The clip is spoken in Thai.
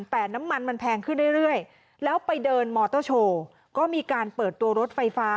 แต่น้ำมันมันแพงขึ้นเรื่อยแล้วไปเดินมอเตอร์โชว์ก็มีการเปิดตัวรถไฟฟ้า